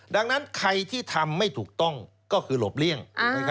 ดังนั้นใครที่ทำไม่ถูกต้องก็คือหลบเลี่ยง